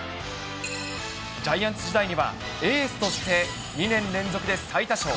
ジャイアンツ時代には、エースとして２年連続で最多勝。